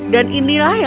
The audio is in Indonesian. dan inilah yang